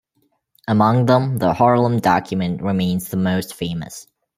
Among them the "Harlem Document" remains the most famous.